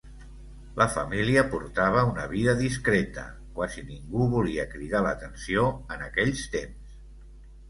La família portava una vida discreta: quasi ningú volia cridar l’atenció en aquells temps.